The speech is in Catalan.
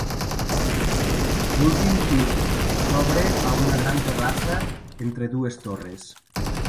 L'últim pis s'obre a una gran terrassa entre les dues torres.